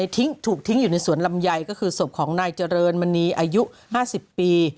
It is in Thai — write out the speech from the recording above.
ทิ้งถูกทิ้งอยู่ในสวนลำไยก็คือศพของนายเจริญมณีอายุ๕๐ปี